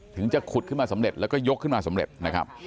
ถึงจะขุดขึ้นมาสำเร็จแล้วก็ยกขึ้นมาสำเร็จนะครับ